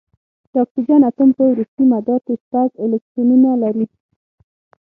د اکسیجن اتوم په وروستي مدار کې شپږ الکترونونه لري.